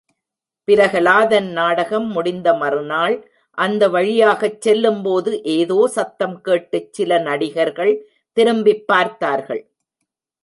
பிரகலாதன் நாடகம் முடிந்த மறுநாள் அந்த வழியாகச் செல்லும்போது, ஏதோ சத்தம் கேட்டுச் சில நடிகர்கள் திரும்பிப் பார்த்தார்கள்.